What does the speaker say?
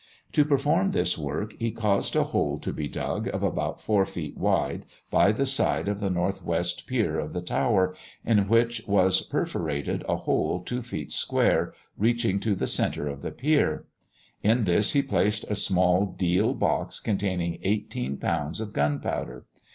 To perform this work, he caused a hole to be dug, of about four feet wide, by the side of the north west pier of the tower, in which was perforated a hole two feet square, reaching to the centre of the pier. In this he placed a small deal box containing eighteen pounds of gunpowder.